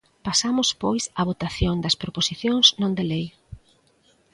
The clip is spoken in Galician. Pasamos pois á votación das proposicións non de lei.